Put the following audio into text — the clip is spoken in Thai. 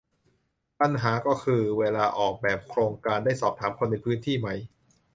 ปัญหาก็คือ เวลาออกแบบโครงการได้สอบถามคนในพื้นที่ไหม